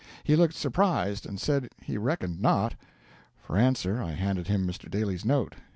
He looked surprised, and said he reckoned not. For answer I handed him Mr. Daly's note.